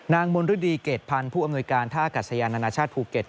มนฤดีเกรดพันธ์ผู้อำนวยการท่ากัศยานานาชาติภูเก็ต